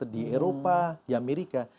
di eropa amerika